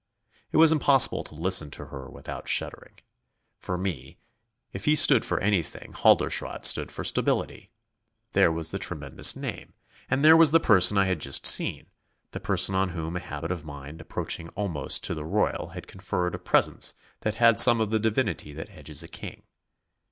It was impossible to listen to her without shuddering. For me, if he stood for anything, Halderschrodt stood for stability; there was the tremendous name, and there was the person I had just seen, the person on whom a habit of mind approaching almost to the royal had conferred a presence that had some of the divinity that hedges a king.